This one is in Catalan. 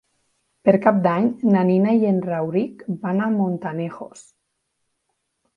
Per Cap d'Any na Nina i en Rauric van a Montanejos.